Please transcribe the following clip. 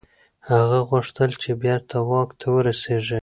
هغه غوښتل چي بیرته واک ته ورسیږي.